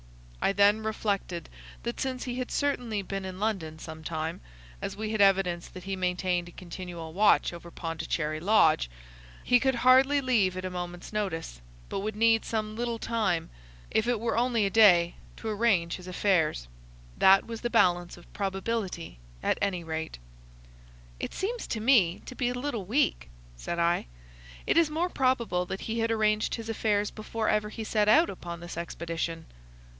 I then reflected that since he had certainly been in London some time—as we had evidence that he maintained a continual watch over Pondicherry Lodge—he could hardly leave at a moment's notice, but would need some little time, if it were only a day, to arrange his affairs. That was the balance of probability, at any rate." "It seems to me to be a little weak," said I. "It is more probable that he had arranged his affairs before ever he set out upon his expedition."